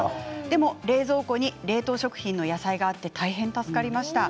でも冷凍庫に冷凍野菜があって助かりました。